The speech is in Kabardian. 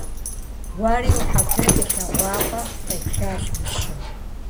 - Уэри уи хьэтыр къилъэгъуакъэ? - къеплъащ мыщэр.